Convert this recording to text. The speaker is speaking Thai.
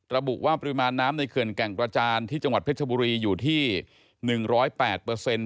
ระบุว่าปริมาณน้ำในเขื่อนแก่งกระจานที่จังหวัดเพชรบุรีอยู่ที่๑๐๘เปอร์เซ็นต์